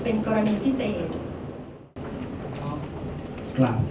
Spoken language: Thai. เป็นกรณีพิเศษ